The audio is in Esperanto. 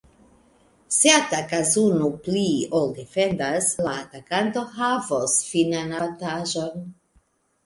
Se atakas unu pli ol defendas, la atakanto havos finan avantaĝon.